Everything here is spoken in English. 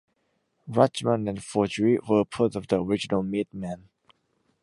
Rachman and Forgey were part of the original Meatmen.